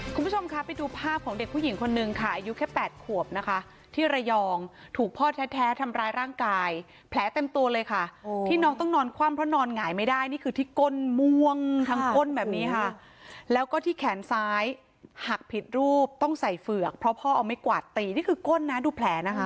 คุณผู้ชมคะไปดูภาพของเด็กผู้หญิงคนนึงค่ะอายุแค่๘ขวบนะคะที่ระยองถูกพ่อแท้ทำร้ายร่างกายแผลเต็มตัวเลยค่ะที่น้องต้องนอนคว่ำเพราะนอนหงายไม่ได้นี่คือที่ก้นม่วงทั้งก้นแบบนี้ค่ะแล้วก็ที่แขนซ้ายหักผิดรูปต้องใส่เฝือกเพราะพ่อเอาไม้กวาดตีนี่คือก้นนะดูแผลนะคะ